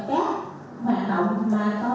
các hoạt động mà có